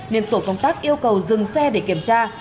nên tổ công tác yêu cầu dừng xe để kiểm tra